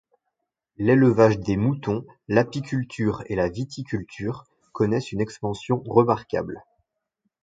L'élevage des moutons, l'apiculture et la viticulture connaissent une expansion remarquable.